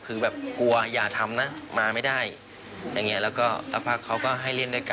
คือแบบกลัวอย่าทำนะมาไม่ได้อย่างเงี้แล้วก็สักพักเขาก็ให้เล่นด้วยกัน